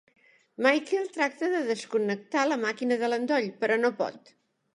Michael tracta de desconnectar la màquina de l'endoll, però no pot.